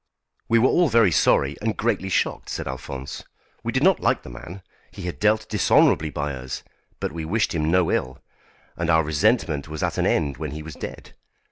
"We were all very sorry and greatly shocked," said Alphonse; "we did not like the man, he had dealt dishonourably by us, but we wished him no ill, and our resentment was at an end when he was dead.